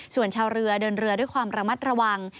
ส่วนชาวเรือเดินเรือด้วยความระมัดระวัง